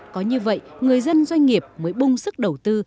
có như vậy người dân doanh nghiệp mới bung sức đầu tư